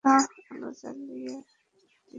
আচ্ছা, আলো জ্বালিয়ে দিচ্ছি।